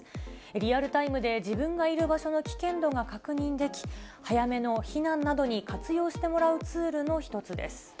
リアルタイムで自分がいる場所の危険度が確認でき、早めの避難などに活用してもらうツールの一つです。